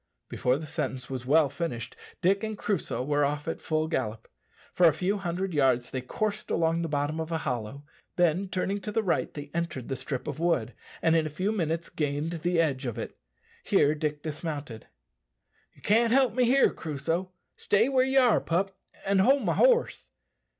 Before the sentence was well finished Dick and Crusoe were off at full gallop. For a few hundred yards they coursed along the bottom of a hollow; then turning to the right they entered the strip of wood, and in a few minutes gained the edge of it. Here Dick dismounted. "You can't help me here, Crusoe. Stay where you are, pup, and hold my horse."